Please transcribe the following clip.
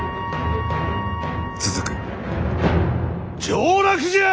上洛じゃ！